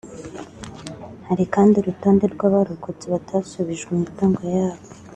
Hari kandi urutonde rw’abarokotse batashubijwe imitungo yabo